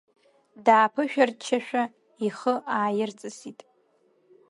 Дааԥышәарччашәа ихы ааирҵысит.